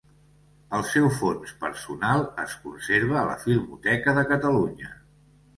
El seu fons personal es conserva a la Filmoteca de Catalunya.